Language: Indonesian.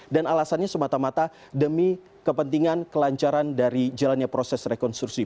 dan alasannya semata mata demi kepentingan kelancaran dari jalannya proses rekonstruksi